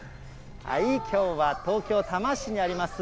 きょうは東京・多摩市にあります